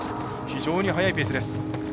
非常に速いペースです。